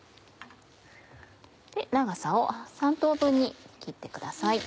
長さを３等分に切ってください。